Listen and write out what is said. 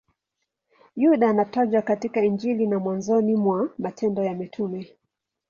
Yuda anatajwa katika Injili na mwanzoni mwa Matendo ya Mitume.